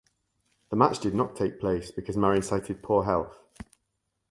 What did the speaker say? The match did not take place because Marin cited poor health.